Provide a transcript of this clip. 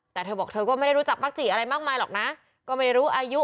แต่เธอบอกเธอก็ไม่ได้รู้จักมักจิอะไรมากมายหรอกนะก็ไม่ได้รู้อายุ